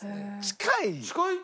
近い。